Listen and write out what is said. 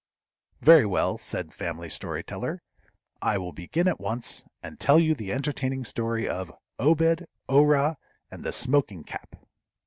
"Very well," said Family Story Teller, "I will begin at once, and tell you the entertaining story of 'Obed, Orah, and the Smoking Cap.'"